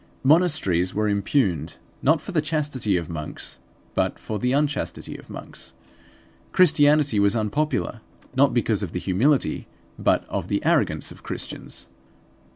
Monasteries were impugned not for the chastity of monks, but for the unchastity of monks. Christianity was unpopular not because of the humility, but of the arrogance of Christians.